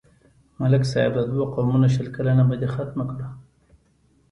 ملک صاحب د دوو قومونو شل کلنه بدي ختمه کړه.